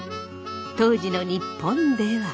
当時の日本では。